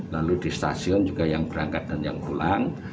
lalu di stasiun juga yang berangkat dan yang pulang